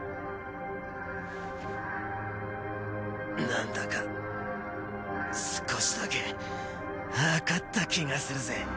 何だか少しだけ分かった気がするぜ。